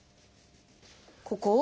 ここを。